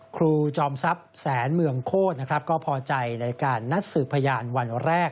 ครูจอมทรัพย์แสนเมืองโคตรนะครับก็พอใจในการนัดสืบพยานวันแรก